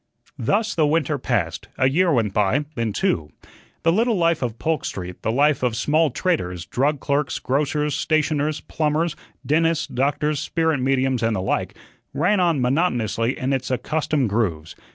Thus the winter passed, a year went by, then two. The little life of Polk Street, the life of small traders, drug clerks, grocers, stationers, plumbers, dentists, doctors, spirit mediums, and the like, ran on monotonously in its accustomed grooves.